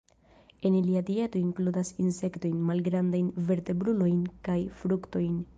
En ilia dieto inkludas insektojn, malgrandajn vertebrulojn kaj fruktojn.